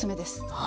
はい。